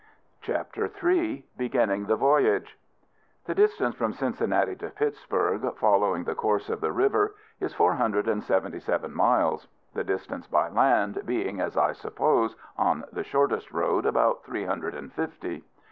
CHAPTER III. BEGINNING THE VOYAGE. The distance from Cincinnati to Pittsburg, following the course of the river, is four hundred and seventy seven miles; the distance by land being, as I suppose, on the shortest road, about three hundred and fifty.